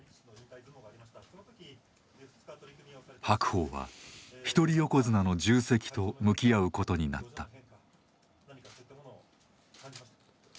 白鵬は一人横綱の重責と向き合うことになった。